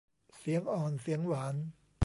เสียงอ่อนเสียงหวาน